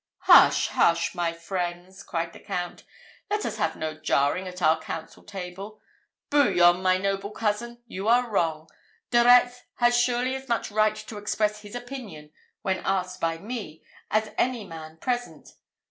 "Hush, hush, my friends!" cried the Count, "let us have no jarring at our council table. Bouillon, my noble cousin, you are wrong. De Retz has surely as much right to express his opinion, when asked by me, as any man present.